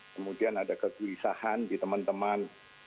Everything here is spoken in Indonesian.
kemudian ada kegelisahan di teman teman